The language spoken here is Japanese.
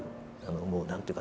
もう何て言うのかな